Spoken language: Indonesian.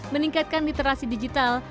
meningkatkan literasi digital